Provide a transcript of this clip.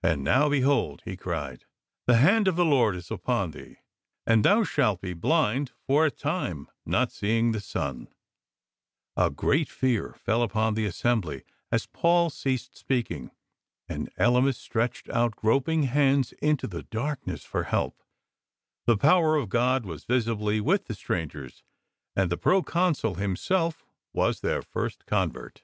"And now behold," he cried, "the Hand of the Lord is upon thee, and thou shalt be blind for a time, not seeing the sun." A gieat fear fell upon the assembly as Paul ceased speaking, and Elymas stretched out 38 LIFE OF ST. PAUL poping hands into the darknes; riie power of God was visibly strangers, and the Pro Consul h their first convert.